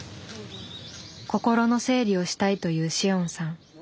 心の整理をしたいという紫桜さん。